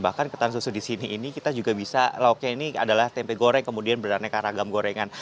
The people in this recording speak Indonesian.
bahkan ketan susu di sini ini kita juga bisa lauknya ini adalah tempe goreng kemudian beraneka ragam gorengan